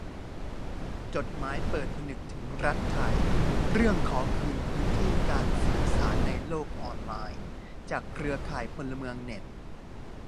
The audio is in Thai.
จดหมายเปิดผนึกถึงรัฐไทย เรื่องขอคืนพื้นที่การสื่อสารในโลกออนไลน์ จากเครือข่ายพลเมืองเน็ต